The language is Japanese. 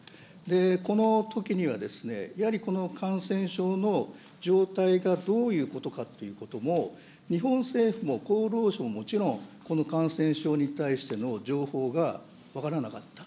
このときには、やはりこの感染症の状態がどういうことかということも、日本政府も厚労省ももちろん、この感染症に対しての情報が分からなかった。